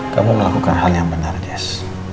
kamu melakukan hal yang benar des